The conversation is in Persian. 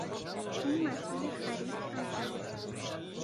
او مسئول خرید هم هست.